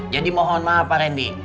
jadi mohon maaf pak reni